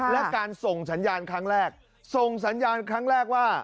และส่งสัญญาณครั้งแรก